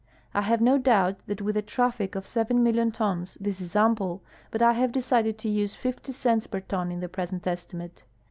I haye no dou1)t that with a traffic of 7,000,000 tons this is ample, but I haye decided to use 50 cents per ton in the present estimate.